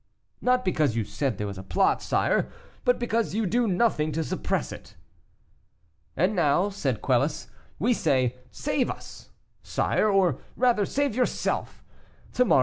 "Not because you said there was a plot, sire, but because you do nothing to suppress it." "And, now," said Quelus, "we say, 'Save us,' sire; or rather, save yourself; to morrow M.